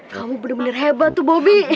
kamu bener bener hebat tuh bobi